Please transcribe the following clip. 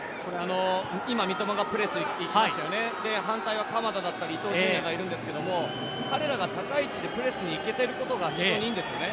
今、三笘がプレーしていますが反対は鎌田だったり伊東純也がいるんですけど、彼らが高い位置でプレスにいけていることが非常にいいんですよね。